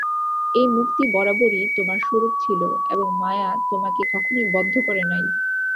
এই মুক্তি বরাবরই তোমার স্বরূপ ছিল এবং মায়া তোমাকে কখনই বদ্ধ করে নাই।